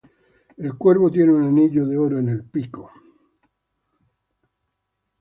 El cuervo tiene un anillo de oro en el pico.